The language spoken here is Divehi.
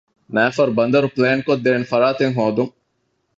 ނައިފަރު ބަނދަރު ޕްލޭންކޮށްދޭނެ ފަރާތެއް ހޯދުން